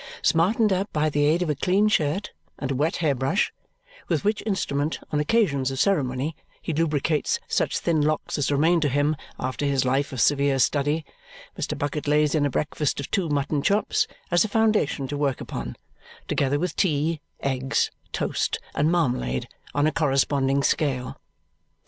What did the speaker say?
Smartened up by the aid of a clean shirt and a wet hairbrush, with which instrument, on occasions of ceremony, he lubricates such thin locks as remain to him after his life of severe study, Mr. Bucket lays in a breakfast of two mutton chops as a foundation to work upon, together with tea, eggs, toast, and marmalade on a corresponding scale.